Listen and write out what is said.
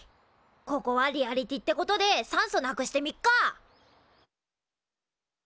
ここはリアリティーってことで酸素なくしてみっか！